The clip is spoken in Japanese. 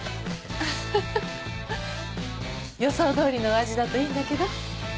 アハハ！予想どおりのお味だといいんだけど。